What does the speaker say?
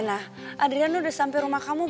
nah kita makan